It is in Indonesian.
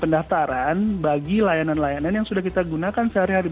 pendaftaran bagi layanan layanan yang sudah kita gunakan sehari hari